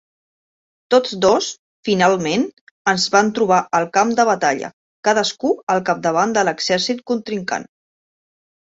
Tots dos finalment es van trobar al camp de batalla, cadascú al capdavant de l'exèrcit contrincant.